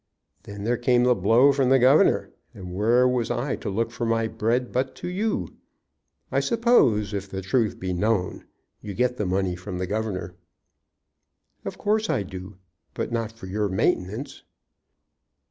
Then there came the blow from the governor, and where was I to look for my bread but to you? I suppose, if the truth be known, you get the money from the governor." "Of course I do. But not for your maintenance."